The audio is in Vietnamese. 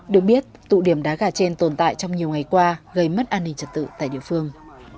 được biết tụ điểm đá gà trên tồn tại trong nhiều ngày qua gây mất an ninh trật tự tại địa phương